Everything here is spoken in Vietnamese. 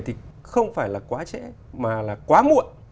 thì không phải là quá trễ mà là quá muộn